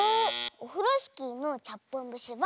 「オフロスキーのちゃっぽんぶし」は。